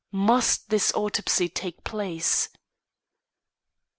Must this autopsy take place?"